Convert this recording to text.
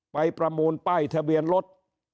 ประมูลป้ายทะเบียนรถ